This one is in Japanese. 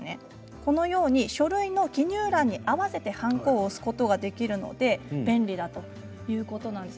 このように書類の記入欄に合わせてはんこを押すことができるので便利だということなんです。